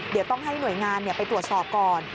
เดี๋ยวต้องให้หน่วยงานไปตรวจสอบก่อน